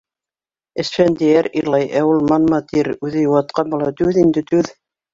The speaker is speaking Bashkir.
Әсфәндиәр илай, ә ул манма тир, үҙе йыуатҡан була: «Түҙ инде, түҙ».